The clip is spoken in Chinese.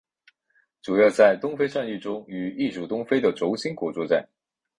主要在东非战役中与意属东非的轴心国作战。